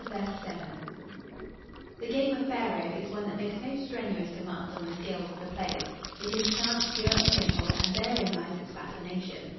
CHAPTER XXXVII The game of faro is one that makes no strenuous demands on the skill of the players. It is chance pure and simple, and therein lies its fascination.